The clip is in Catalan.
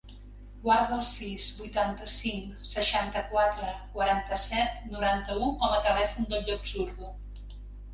Guarda el sis, vuitanta-cinc, seixanta-quatre, quaranta-set, noranta-u com a telèfon del Llop Zurdo.